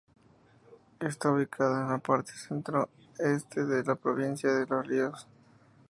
Está ubicada en la parte centro este de la provincia de Los Ríos.